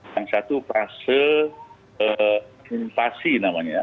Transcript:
yang satu fase invasi namanya ya